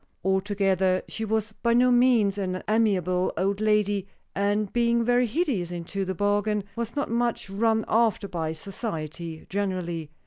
Altogether, she was by no means an amiable old lady, and, being very hideous into the bargain, was not much run after by society generally.